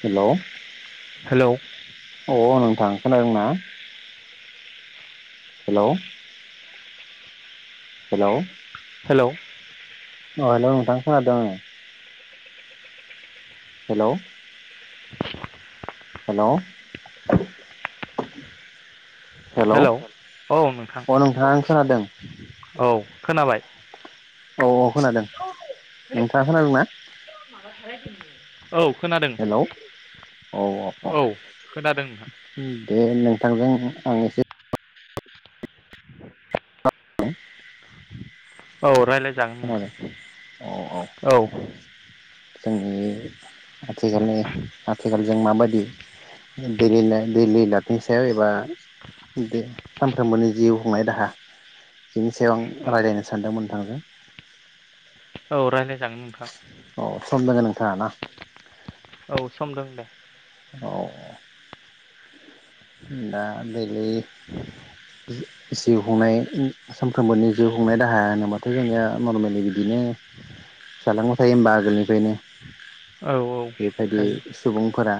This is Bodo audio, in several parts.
हेलौ हेलौ अ नोंथां खोनादोंना? हेलौ हेलौ हेलौ अ हेलौ नोंथां खोनादों ओं। हेलौ हेलौ हेलौ औ नोंथां अ आं खोनादों औ खोनाबाय। औ औ खोनादों नोंथाङा खोनादोंना? औ खोनादों हेलौ औ औ औ खोनादों नोंथां दे नोंथांजों आं एसे [unintelligible] औ रायलाय खोनादों औ औ जोंनि आथिखालनि आथिखालनि जों माबायदि दैलि लाइफ दैलि लाइफनि सायाव एबा दै सानफ्रोमबोनि जिउ खुंनाय राहा बिनि सायाव आं रायज्लायनो सानदोंमोन नों थांजों। औ रायज्लाय जागोन नोंथां। औ सम दङ नोंथाङा ना? औ सम दं दे। औ दा बे बे जिउ खुंनाय सानफ्रोमबोनि जिउ खुंनाय राहाया होनोबाथ' जोंनिया नरमेलि बिदिनो जालांबाय थायो होमबा आगोलनिफ्रायनो। औ औ बेबायदि हायो सुबुंफोरा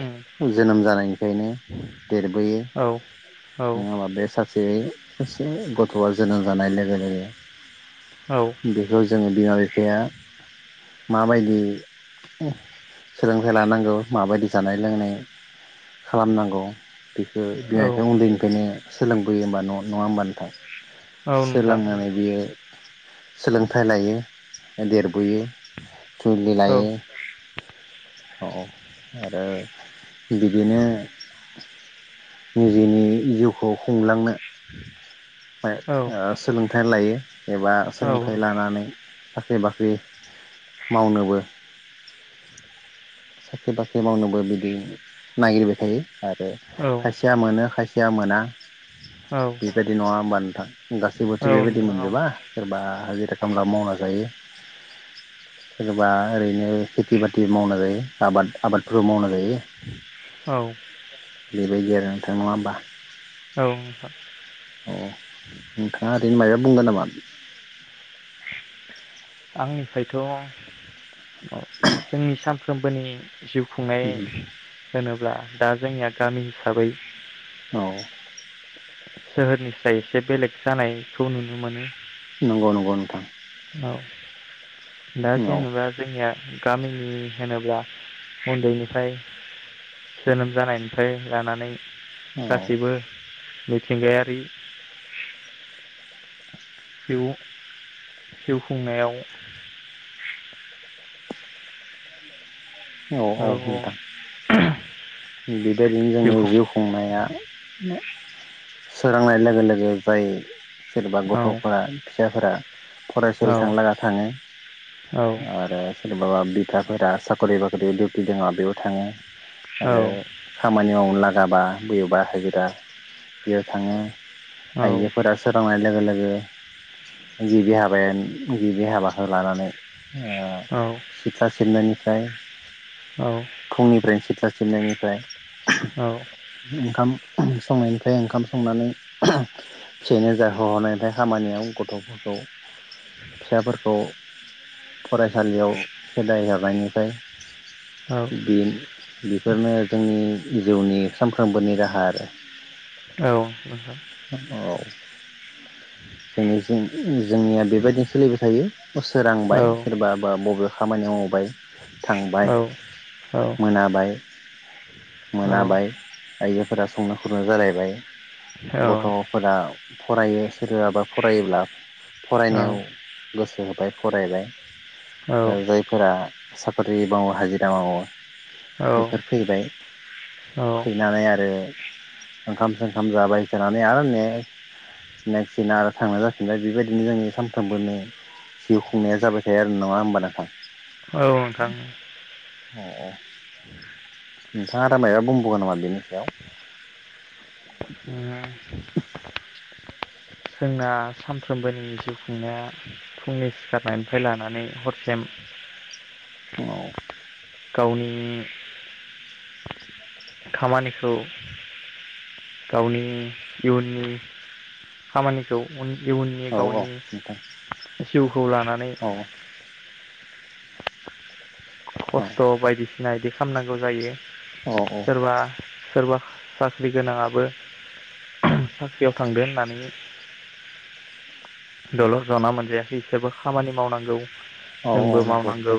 उम जोनोम जानायनि फ्रायनो देरबोयो औ औ नङाबा बे सा जे सासे गथ'आ जोनोम जानाय लोगो लोगो औ बेखौ जोङो बिमा बिफाया माबायदि सोलोंथाइ लानांगौ माबायदि जानाय लोंनाय खालामनांगौ बेखौ बिमा औ बिफाया उन्दैनिफ्रायनो सोलोंबोयो होमबा न' नङा होमबा नाथां? नोंथां सोलोंनानै बियो सोलोंथाइ लायो देरबोयो। जुलि औ लायो औ औ आरो बिदिनो [inaudible] निजेनि जिउखौ खुंलांनो सोलोंथाइ लायो एबा औ सोलोंथाइ लानानै साख्रि बाख्रि मावनोबो साख्रि बाख्रि मावनोबो बिदि नागिरबाय थायो आरो खायसेया मोनो खायसेया मोना औ नोंथां बेबायदि नङा होमबा नोंथां गासैबोथ' बेबायदि मोनजोबा सोरबा हाजिरा खामला मावना जायो सोरबा ओरैनो खेथि बाथि मावना जायो आबाद आबादफोर बो मावनाय जायो औ बेबायदि आरो नोंथां नङा होनबा [unintelligible] अ नोंथाङा ओरैनो मायबा बुंगोन नामा? आंनिफ्रायथ' जोंनि साम कमपानि जिउ खुंनाय नामा होनोब्ला दा जोंनिया गामि हिसाबै औ सोहोरनि साइ एसे बेलेग जानायखौ नुनो मोनो नंगौ नंगौ नोंथां औ दा औ जेनेबा जोंनिया गामिनि होनोब्ला उन्दैनिफ्राय जोनोम जानायनिफ्राय लानानै औ गासिबो मिथिंगायारि जिउ जिउ खुंनायाव औ औ नोंथां [unintelligible] बेबायदिनो जोंनि जिउखौ जिउ खुंनाया सोरोंनाय लोगो लोगो जाय सोरबा औ गथ'फोरा फिसाफोरा औ फरायसालि थांलागा थाङो औ आरो सोरबाबा बिफाफोरा साखरि बाखरि डिउटि दोङ बेयाव थाङो औ आरो खामानि मावनो लागाबा बोयोबा हाजिरा बेयाव थाङो औ आइजोफोरा सोरांनाय लोगो लोगो गिबि हाबायानो गिबि हाबाखौ लानानै ओ सिथ्ला सिबनायनिफ्राय औ फुंनिफ्रायनो सिथ्लाब सिबनायनिफ्राय औ ओंखाम संनायनिफ्राय ओंखाम संनानै फिसाइनो जाहोहोननायनिफ्राय खामानियाव गथ'फोरखौ फिसाफोरखौ फरायसालियाव खेदाय हारनायनिफ्राय औ औ बिन [unintelligible] बिफोरनो जोंनि जिउनि सानफ्रोमबोनि राहा आरो नोंथां हो औ जोंनि जोंनि जोंनिया बेबायदिनो सोलिबाय थायो हर सोरांबाय औ सोरबाबा बबे खामानि मावबाय थांबाय मोनाबाय। मोनाबाय आइजोफोरा संनो खुरनो जालायबाय गथ'फोरा फरायो सोरबाबा फरायोब्ला फरायनायाव गोसो होबाय फरायबाय जायफोरा साख्रि मावो हाजिरा मावो बेफोर फैबाय फैनानै आरो ओंखाम सोंखाम जाबाय जानानै आरो ने जिनायखिनार थांनो जाफिनबाय बेबायदिनो जोंनि सानफ्रोमबोनो जिउ खुंनाया जाबाय थायो आरो नङा होमबा नोंथां। औ नोंथां। अअ। नोंथाङा दामाया ब'म्ब आ नं आ बिनि सायाव उम। जोंना सानफ्रोमबोनि जिउ खुंनाया फुंनि सिखारनायनिफ्राय लानानै हरसेम औ। गावनि। खामानिखौ गावनि इयुननि खामानिखौ उन इयुननि औ औ गावनि नोंथां जिउखौ लानानै औ औ खस्थ' बायदिस नायदि खामनांगौ जायो। औ सोरबा सोरबा साख्रि गोनाङाबो साख्रियाव थांगोन होननानै दलर जना मोनजायाखै बिसोरबो खामानि मावनांगौ। औ जोंबो नंगौ मावनांगौ। नोंथां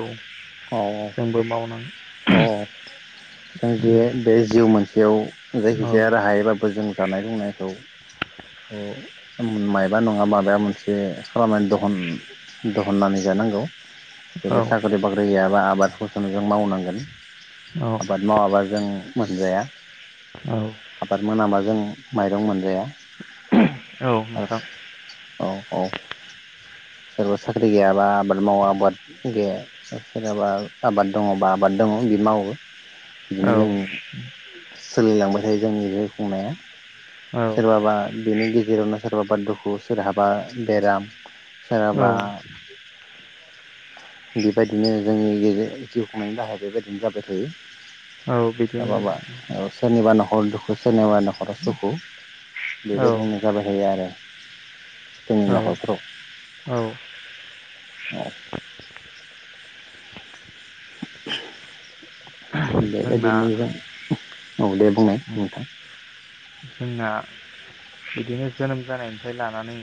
औ मावनां थुहुम। जाय जे बे जिउ मोनस बेयाव जायखिजाया राहायैबाबो जों जानाय लोंनायखौ ओयो मायबा नङा माबा मोनसे खालामनानै दहन-दहननानै जानांगौ। जेरै औ साखरि बाख्रि गैया बा आबाद फसनजों मावनांगोन औ आबाद मावाबा जों मोनजाया औ आबाद मोनाबाजों माइरं मोनजाया। [unintelligible] औ औ सोरबा साख्रि गैयाबा आबाद माव आबाद गैया ओ सोरनाबा आबाद दङबा आबाद दङ बि मावो। औ बिदिनो जों। सोलिलांबाय थायो जोंनि बेे खुंनाया औ सोरबाबा बेनि गेजेरावनो सोरबाबा दुखु सोरहाबा बेराम। औ सोरहाबा बेबायदिनो जोंनि गेजेर जि जिउ खुंनायनि राहाया बेबायदिनो जाबाय थायो। औ ओ बिदिनो माबा नोंथां औ सोरनिबा नखर दखु-सु सोरनि बा न'खराव सुखु। औ बेबायदिनो जाबायथायो आरो। [unintelligible] जोंनि औ न'खरफ्राव औ अ जोंना बेबायदिनो जा औ दे बुंनाय नोंथां जोंना बिदिनो जोनोम जानायनिफ्राय लानानै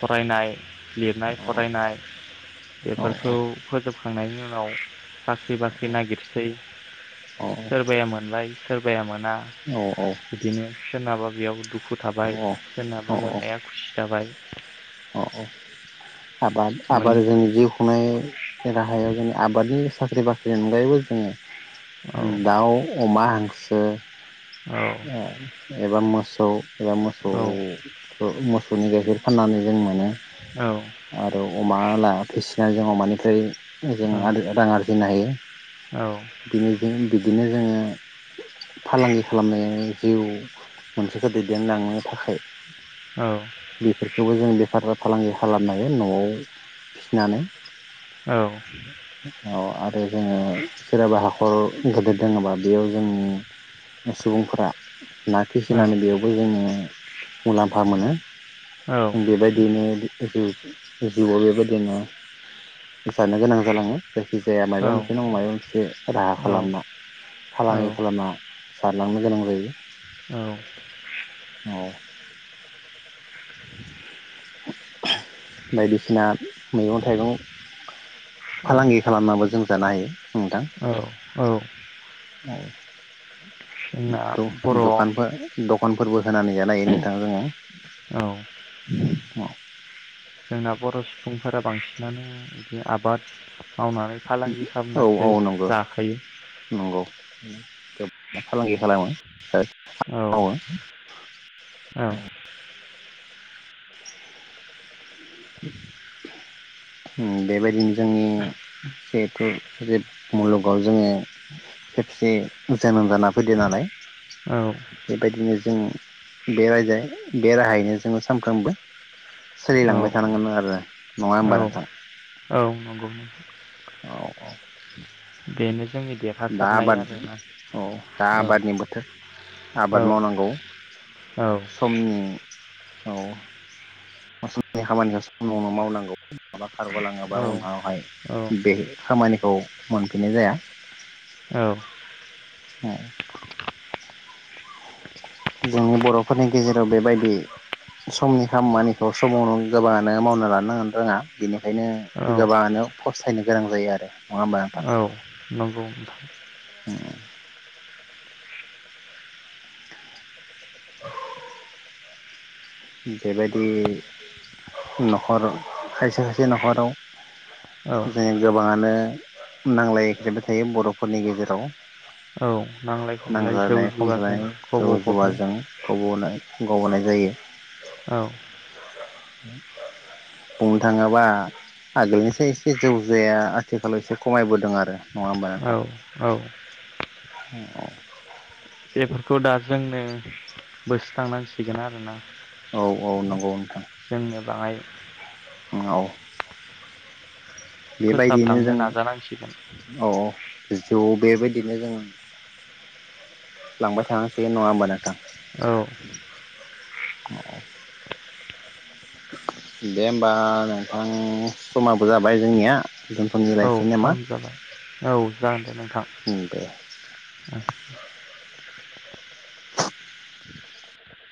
फरायनाय लिरनाय औ फरायनाय औ बेफोरखौ औ फोजोबखांनायनि उनाव औ साख्रि बाख्रि नागिरसै औ सोरबाया मोनलाय सोरबाया मोना औ बिदिनो सोरनाबा बेयाव दुखु थाबाय औ औ सोरनाबा मोननाया खुसि जाबाय औ औ आबाद मोन आबाद जोंनि जिउ खुनाय राहायाव जोंनि आबादनि साख्रि बाख्रिनि अनगायैबो औ जोङो दाउ अमा हांसो औ एबा मोसौ एबा मोसौ औ मोसौनि गाइखेर फाननानै जों मोनो औ आरो अमा लायाखैसो ना जों अमानिफ्राय जों औ रां आरजिनो हायो औ बिनो बिदिनो जोङो फालांगि खालामनायाव जिउ मोनसेखौ दैदेनलांनो थाखाय औ बेफोरखौबो जों बेफार फालांगि खालामा न'आव फिसिनानै अ आरो जोङो सोरहाबा हाखर गेदिर दोङोबा बेयाव जोंनि सुबुंफोरा ना फिसिनानै बेयावबो जोङो मुलाम्फा मोनो जों बेबायदियैनो जिउ जिउआव बेबायदिनो जानो गोनां जालाङो जायखि जाया माबा मोनसे नङा माबा मोनसे राहा खालामना फालांगि खालामना जारलांनो गोनां जायो औ बायदिसिना मैगं थाइगं फालांगि खालामनबो जों जानो हायो नोंथां औ औ औ जोंना औ बर' दखानफोर दखानफोरबो होनानै जानो हायो नोंथां जोङो अ जोंना बर' सुबुंफोरा बांसिनानो बिदि आबाद मावनानै फालांगि औ औ औ खालामनासो नंगौ जाखायो [unintelligible] फालांगि खालामो औ मावो औ बेबायदिनो जोंनि जिहेथु जे मुलुगाव जोङो खेबसे जोनोम जाना फैदों नालाय औ बेबायदिनो जों बे र बे राहायैनो जोङो सानफ्रामबो सोलिलांबाय औ थानांगोन आरो नङा होमबा नोंथां औ औ नंगौ औ औ बेनो जोंनि दा देरहासारनाय आबाद आरोना औ दा औ आबादनि बोथोर औ आबाद मावनांगौ औ समनि औ नि खामानिखौ समावनो मावनांगौ माबा खारग'लाङोबा औ उनावहाय औ बे खामानिखौ मोनफिननाय जाया औ ओम। जोंनि बर'फोरनि गेजेराव बेबायदि समनि खामानिखौ समावनो गोबाङानो मावना लानो रोङा बेनिखायनो औ गोबाङानो फसथायनो गोनां जायो आरो नङा होमबा नोंथां? औ नंगौ नोंथां [inaudible] बेबायदि न'खर खायसे खायसे न'खराव औ जों गोबाङानो नांज्लायख्लायबाय थायो बर'फोरनि गेजेराव। औ नांलाय खमलाय जौ नांज्लायनाय जुवाजों खमज्लायनाय जौ गबफबनाय जुवाजों गबफबनाय गबनाय जायो। औ। बुंनो थाङोबा आगोलनिसो एसे जौ जुवाया आथिखालाव एसे खमायबोदों आरो औ औ। ओ औ। बेफोरखौ दा जोंनो बोस्रांनांसिगोन आरोना। औ औ नंगौ नोंथां। जोंनो बाङाय नंगौ। बेबायदियैनो फोसाबलांनो जों नाजानांसिगोन औ औ। ज' बेबायदिनो जोङो लांबाय थानांसिगोन नङा होमबानोंथां? औ। [unintelligible] दे होमबा नोंथां समाबो जाबाय जोंनिया दोनथ'नि औ लाइ सम जाबाय औ जागोन दे नोंथां। उम दे [inaudible] [inaudible]